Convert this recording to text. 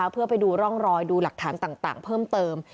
เพื่อไปดูร่องรอยดูหลักฐานต่างเพิ่มเติม